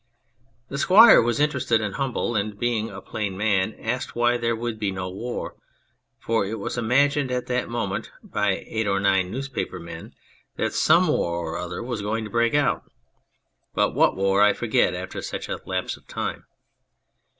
The Squire was interested and humble, and being a plain man he asked why there would be no war, for it was imagined at that moment by eight or nine newspaper men that some war or other was going to break out ; but what war I forget after such a lapse of time.